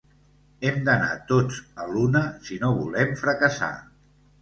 Hem d'anar tots a l'una, si no volem fracassar.